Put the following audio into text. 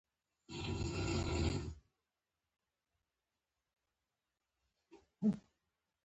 که پښتانه په نورو چارو کې یو ځای وای.